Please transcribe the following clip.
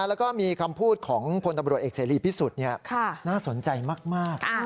แล้วก็มีคำพูดของพลตำรวจเอกเสรีพิสุทธิ์น่าสนใจมาก